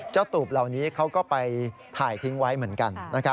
ตูบเหล่านี้เขาก็ไปถ่ายทิ้งไว้เหมือนกัน